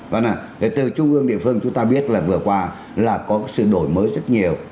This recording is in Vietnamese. và để từ trung ương địa phương chúng ta biết là vừa qua là có sự đổi mới rất nhiều